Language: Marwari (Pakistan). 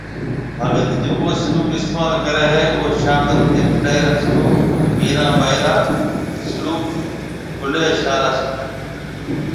ڀگت جڪو سلوڪ استعمال ڪري هي او شاه عبدلطيف ڀٽائي رِا سلوڪ، ميران ٻائي را سلوڪ، بُلي شاه را سلوڪ